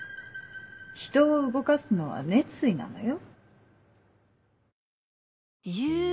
ひとを動かすのは熱意なのよ。